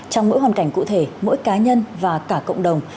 trong mỗi hoàn cảnh cụ thể mỗi cá nhân và cả cộng đồng